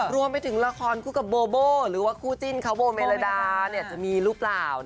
รวมไปถึงละครคู่กับโบโบหรือว่าคู่จิ้นเขาโบเมลดาจะมีหรือเปล่า